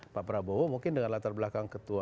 pak prabowo mungkin dengan latar belakang ketua